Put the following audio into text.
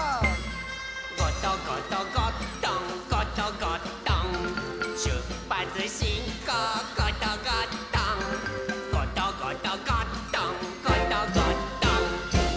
「ゴトゴトゴットンゴトゴットン」「しゅっぱつしんこうゴトゴットン」「ゴトゴトゴットンゴトゴットン」